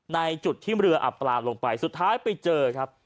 ในจุดที่เรืออับปลาลงไปสุดท้ายไปเจอครับ